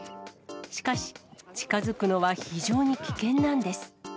しかし、近づくのは非常に危険なんです。